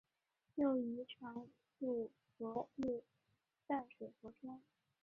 幼鱼常溯河入淡水河川。